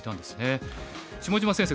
下島先生